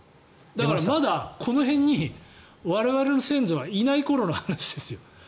だから、まだこの辺に我々の先祖がいない頃の話ですよ。